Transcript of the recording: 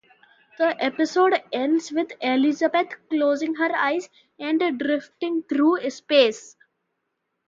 The episode ends with Elizabeth closing her eyes and drifting through space.